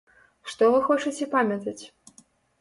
Што вы хочаце памятаць?